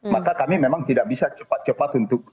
maka kami memang tidak bisa cepat cepat untuk